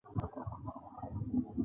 دا لاس دې راکړه چې در مچو یې کړم.